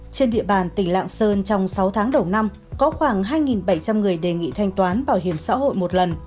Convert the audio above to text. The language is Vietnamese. trên địa bàn tỉnh lạng sơn trong sáu tháng đầu năm có khoảng hai bảy trăm linh người đề nghị thanh toán bảo hiểm xã hội một lần